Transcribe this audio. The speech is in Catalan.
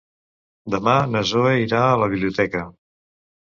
Demà na Zoè irà a la biblioteca.